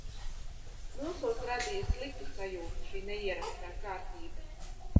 Mūsos radīja sliktu sajūtu šī neierastā kārtība.